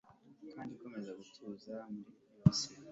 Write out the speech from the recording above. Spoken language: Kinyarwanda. kandi komeza gutuza muri byose